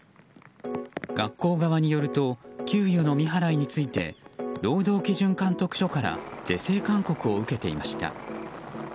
学校側によると給与の未払いについて労働基準監督署から是正監督を受けていました。